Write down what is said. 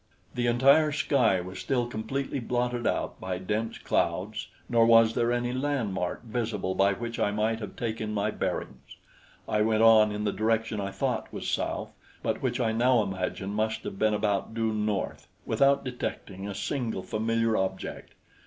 The entire sky was still completely blotted out by dense clouds; nor was there any landmark visible by which I might have taken my bearings. I went on in the direction I thought was south but which I now imagine must have been about due north, without detecting a single familiar object.